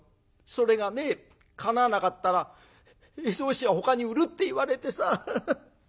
それがねかなわなかったら絵草紙屋をほかに売るって言われてさ。